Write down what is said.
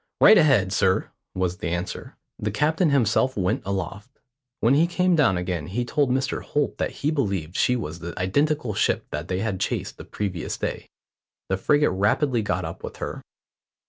"Right ahead, sir," was the answer. The captain himself went aloft. When he came down again he told Mr Holt that he believed she was the identical ship they had chased the previous day. The frigate rapidly got up with her.